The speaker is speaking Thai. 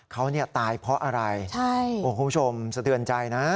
เขาเนี่ยตายเพราะอะไรคุณผู้ชมสะเทือนใจนะ